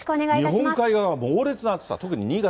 日本海側は猛烈な暑さ、特に新潟。